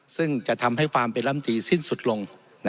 ซึ่งจะทำให้ความเป็นลำตีสิ้นสุดลง